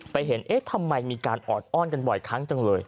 เห็นเอ๊ะทำไมมีการออดอ้อนกันบ่อยครั้งจังเลย